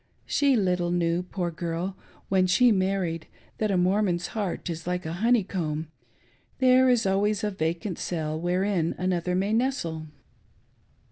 She little knew, poor girl, when she married, that a Mormon's heart is like a honeycomb — there is always a vacant cell wherein another may nestle.